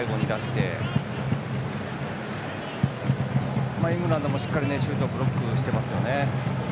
ただイングランドもしっかりシュートブロックしていますね。